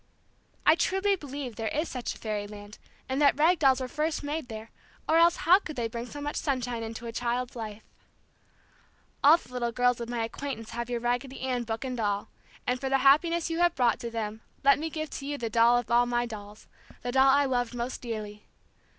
I truly believe there is such a fairyland and that rag dolls were first made there, or how else could they bring so much sunshine into a child's life? [Illustration: Raggedy Ann bowing] All the little girls of my acquaintance have your Raggedy Ann book and doll, and for the happiness you have brought to them let me give to you the doll of all my dolls, the doll I loved most dearly.